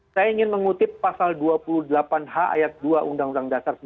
saya ingin mengutip pasal dua puluh delapan h ayat dua undang undang dasar seribu sembilan ratus empat puluh